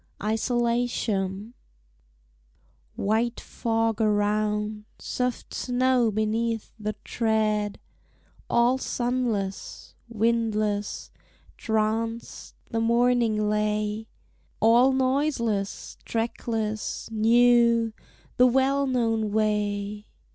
_ ISOLATION White fog around, soft snow beneath the tread, All sunless, windless, tranced, the morning lay; All noiseless, trackless, new, the well known way.